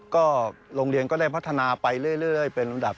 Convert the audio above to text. ก็โรงเรียนก็ได้พัฒนาไปเรื่อยเป็นลำดับ